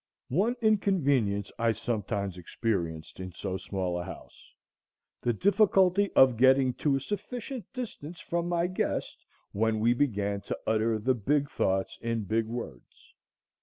One inconvenience I sometimes experienced in so small a house, the difficulty of getting to a sufficient distance from my guest when we began to utter the big thoughts in big words.